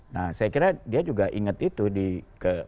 nah saya kira dia juga ingat itu di ke